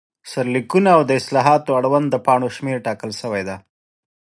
سرلیکونه، او د اصطلاحاتو اړوند د پاڼو شمېر ټاکل شوی دی.